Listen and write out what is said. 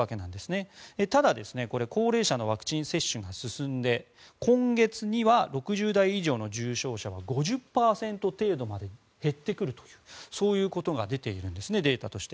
ただ、高齢者のワクチン接種が進んで今月には６０代以上の重症者が５０％程度まで減ってくるというそういうことが出ているんですデータとして。